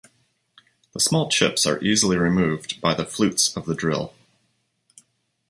The small chips are easily removed by the flutes of the drill.